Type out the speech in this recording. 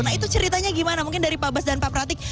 nah itu ceritanya gimana mungkin dari pak bas dan pak pratik